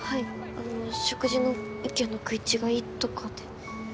あの食事の意見の食い違いとかで。